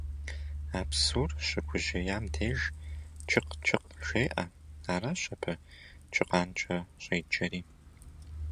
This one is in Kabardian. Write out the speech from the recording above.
А бзур щыгужьеям деж «чыкъ-чыкъ» жеӀэ, аращ абы чыкъанкӀэ щӀеджэри.